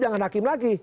jangan hakim lagi